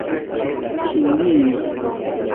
Hindio